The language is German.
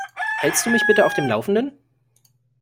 Hältst du mich bitte auf dem Laufenden?